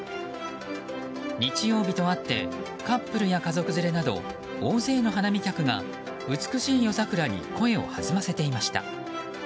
日曜日とあってカップルや家族連れなど大勢の花見客が美しい夜桜に声を弾ませていました。